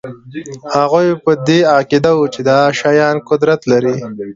هغوی په دې عقیده وو چې دا شیان قدرت لري